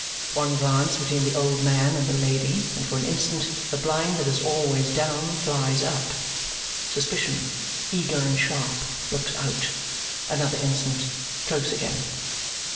One glance between the old man and the lady, and for an instant the blind that is always down flies up. Suspicion, eager and sharp, looks out. Another instant, close again.